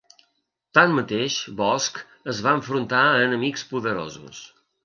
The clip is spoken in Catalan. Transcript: Tanmateix, Bosch es va enfrontar a enemics poderosos.